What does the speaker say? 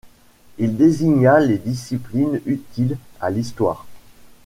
Il désigna les disciplines utiles à l’Histoire.